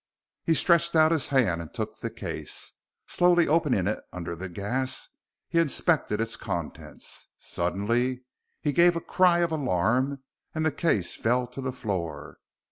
He stretched out his hand and took the case. Slowly opening it under the gas, he inspected its contents. Suddenly he gave a cry of alarm, and the case fell to the floor.